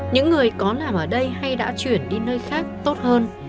những người có làm ở đây hay đã chuyển đi nơi khác tốt hơn